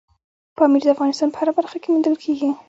پامیر د افغانستان په هره برخه کې موندل کېږي.